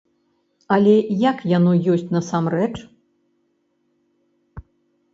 Але як яно ёсць насамрэч?